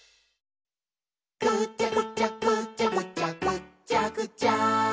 「ぐちゃぐちゃぐちゃぐちゃぐっちゃぐちゃ」